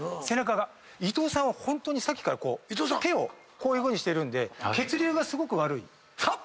伊藤さんはホントにさっきから手をこういうふうにしてるんで血流がすごく悪い。